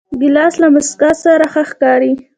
ګیلاس له موسکا سره ښه ښکاري.